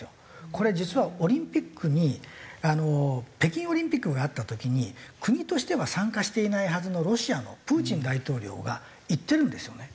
これ実はオリンピックに北京オリンピックがあった時に国としては参加していないはずのロシアのプーチン大統領が行ってるんですよね。